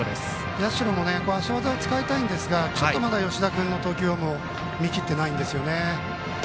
社も足技を使いたいんですがまだ吉田君の投球フォームを見切ってないですね。